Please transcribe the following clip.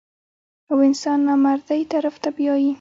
او انسان نامردۍ طرف ته بيائي -